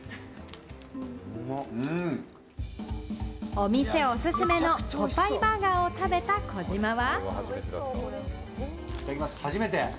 お店おすすめのポパイバーガーを食べた児嶋は。